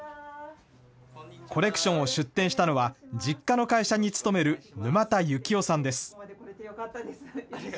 コレクションを出展したのは、実家の会社に勤める沼田行雄さんです。